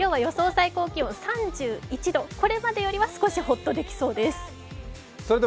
最高気温３１度、これまでよりは少しホッとできそうです。